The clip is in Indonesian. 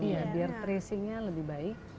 iya biar tracingnya lebih baik